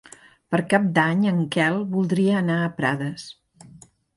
Per Cap d'Any en Quel voldria anar a Prades.